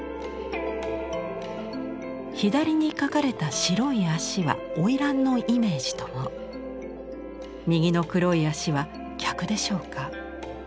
左に描かれた白い足は花魁のイメージとも。右の黒い足は客でしょうか。